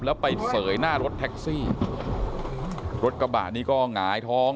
แล้วไปเสยหน้ารถแท็กซี่รถกระบะนี้ก็หงายท้อง